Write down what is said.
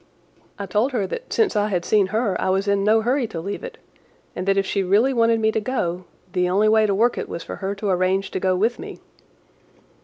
I told her that since I had seen her I was in no hurry to leave it, and that if she really wanted me to go, the only way to work it was for her to arrange to go with me.